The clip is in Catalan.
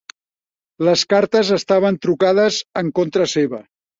Les cartes estaven trucades en contra seva.